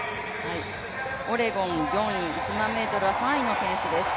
オレゴン４位、１００００ｍは３位の選手です。